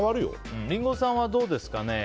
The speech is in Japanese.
リンゴさんはどうですか？